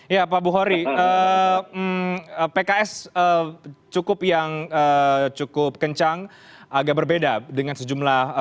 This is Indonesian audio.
ya pak bukori pks cukup yang cukup kencang agak berbeda dengan sejumlah vat